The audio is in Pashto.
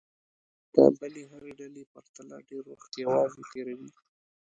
د بلې هرې ډلې پرتله ډېر وخت یوازې تېروي.